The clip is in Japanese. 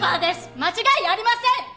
間違いありません！